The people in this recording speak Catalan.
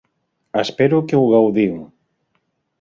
Espero que ho gaudiu.